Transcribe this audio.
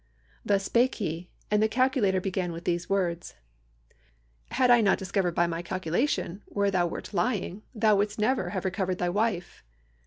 "Thus spake he; and the calculator began with these words: 'Had I not discovered by my calculation where thou wert lying, thou wouldst never have recovered thy wife.'